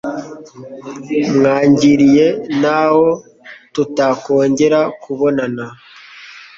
mwangiriye naho tutakongera kubonana